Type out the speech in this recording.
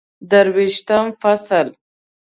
درویشتم فصل